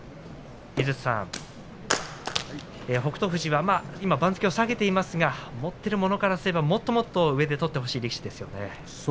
井筒さん、北勝富士は今、番付を下げていますが持っているものからすればもっともっとそうですね。